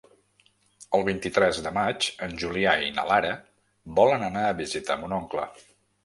El vint-i-tres de maig en Julià i na Lara volen anar a visitar mon oncle.